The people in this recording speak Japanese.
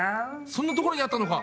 そんなところにあったのか！